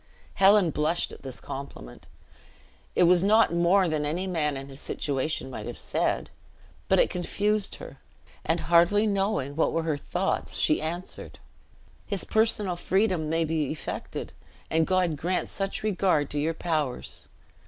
Helen blushed at this compliment it was not more than any man in his situation might have said, but it confused her; and hardly knowing what were her thoughts, she answered "His personal freedom may be effected, and God grant such a regard to your prowess!